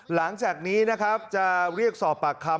หลังจากนี้นะครับจะเรียกสอบปากคำ